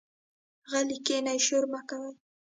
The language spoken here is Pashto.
غلي کېنئ، شور مۀ کوئ.